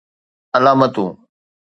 علامتون